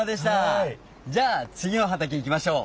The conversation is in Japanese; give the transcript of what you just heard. じゃあつぎの畑行きましょう。